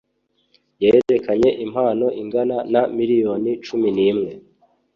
yerekanye impano ingana na miliyoni cumi n ‘imwe.